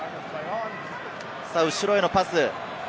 後ろへのパス。